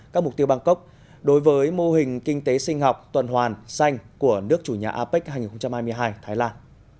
các mục tiêu bangkok đối với mô hình kinh tế sinh học tuần hoàn xanh của nước chủ nhà apec hai nghìn hai mươi hai thái lan